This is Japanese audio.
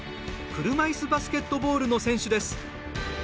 車いすバスケットボールの選手です。